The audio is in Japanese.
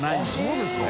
そうですか？